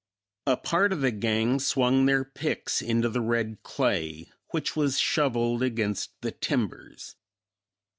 A part of the gang swung their picks into the red clay which was shoveled against the timbers.